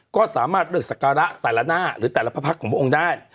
ก็สามารถเลือกศคาระแต่ละหน้าหรือแต่ละพระพรรคของเขาได้